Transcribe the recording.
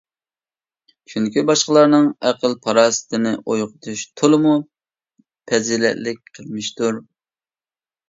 چۈنكى باشقىلارنىڭ ئەقىل-پاراسىتىنى ئويغىتىش تولىمۇ پەزىلەتلىك قىلمىشتۇر.